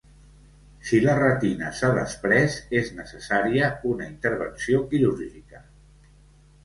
Si la retina s'ha desprès, és necessària una intervenció quirúrgica.